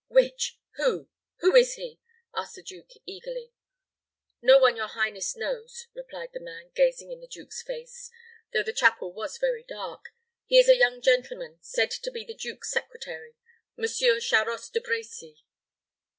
"Which? Who who is he?" asked the duke, eagerly. "No one your highness knows," replied the man, gazing in the duke's face, though the chapel was very dark. "He is a young gentleman, said to be the duke's secretary, Monsieur Charost de Brecy."